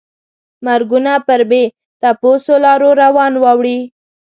مرګونه پر بې تپوسو لارو روان واوړي.